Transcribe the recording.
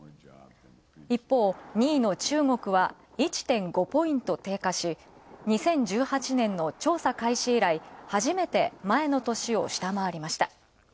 一方、２位の中国は、１．５ポイント低下し２０１８年の調査開始以来、初めて前の年を下回りました。